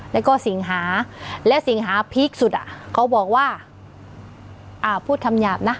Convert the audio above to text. แล้วก็สิงหาและสิงหาพีคสุดอ่ะเขาบอกว่าอ่าพูดคำหยาบนะ